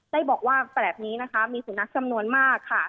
ได้บอกว่าแปลกนี้นะคะมีสุนัขจำนวนมากค่ะ